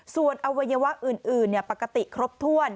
ส่วนอวัยวะอื่นปกติครบถ้วน